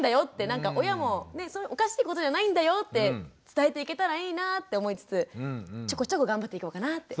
なんか親もねおかしいことじゃないんだよって伝えていけたらいいなぁって思いつつちょこちょこ頑張っていこうかなって。